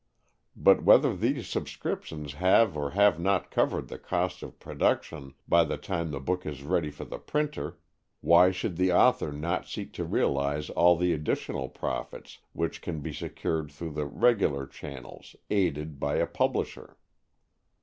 But whether these subscriptions have or have not covered the cost of production by the time the book is ready for the printer, why should the author not seek to realize all the additional profits which can be secured through the regular channels, aided by a publisher?